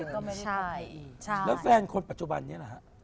แล้วแฟนคนปัจจุบันนี้ล่ะฮะ